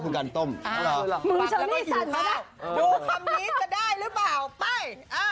ดูคำนี้จะได้หรือเปล่าไป